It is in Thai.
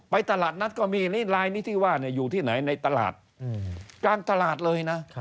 ตลาดนัดก็มีนี่ลายนี้ที่ว่าอยู่ที่ไหนในตลาดกลางตลาดเลยนะ